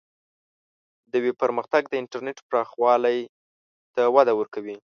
د ویب پرمختګ د انټرنیټ پراخوالی ته وده ورکوي.